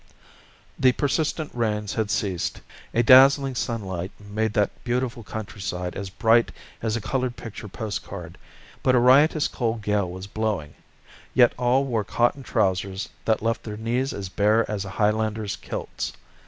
The persistent rains had ceased, a dazzling sunlight made that beautiful countryside as bright as a coloured picture post card, but a riotous cold gale was blowing; yet all wore cotton trousers that left their knees as bare as Highlanders' kilts.